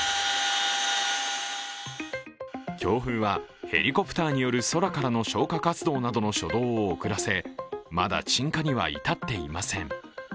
強風はヘリコプターによる空からの消火活動などの初動を送らせ、まだ鎮火には至っていません。